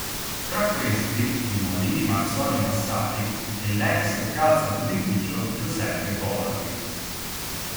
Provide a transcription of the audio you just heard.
Tra questi i Molini Marzoli Massari e l'ex Calzaturificio Giuseppe Borri.